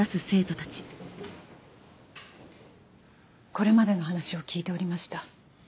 これまでの話を聞いておりました。